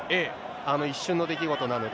あの一瞬の出来事なので。